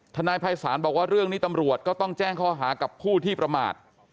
นายภัยศาลบอกว่าเรื่องนี้ตำรวจก็ต้องแจ้งข้อหากับผู้ที่ประมาท